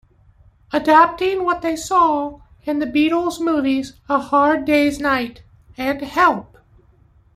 Adapting what they saw in the Beatles' movies "A Hard Day's Night" and "Help!